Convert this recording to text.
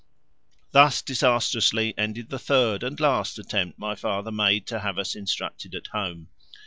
Thus disastrously ended the third and last attempt my father made to have us instructed at home.